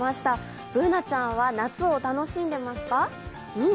Ｂｏｏｎａちゃんは夏を楽しんでますか？